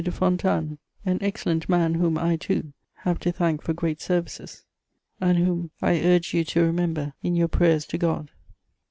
de Fontanes, an excellent man whom I, too, have to thank for great services, and whom I urge you to remember in your prayers to God."